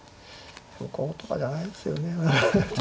こうとかじゃないですよね。